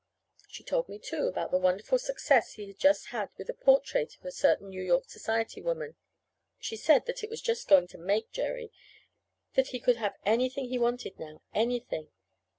She told me, too, about the wonderful success he had just had with the portrait of a certain New York society woman. She said that it was just going to "make" Jerry; that he could have anything he wanted now anything.